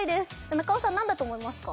中尾さん何だと思いますか？